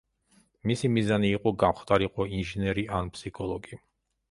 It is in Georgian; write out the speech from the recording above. მისი მიზანი იყო გამხდარიყო ინჟინერი ან ფსიქოლოგი.